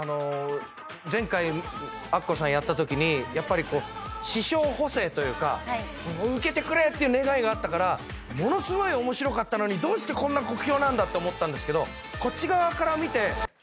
前回アッコさんやったときに師匠補整というかウケてくれっていう願いがあったからものすごい面白かったのにどうしてこんな酷評なんだって思ったんですけど。